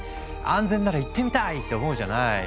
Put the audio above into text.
安全なら行ってみたい！って思うじゃない？